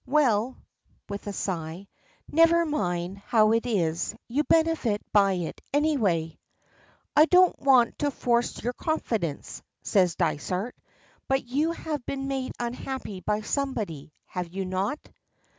Well," with a sigh, "never mind how it is, you benefit by it, any way." "I don't want to force your confidence," says Dysart; "but you have been made unhappy by somebody, have you not?"